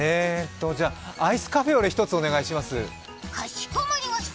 アイスカフェオレ１つお願いします。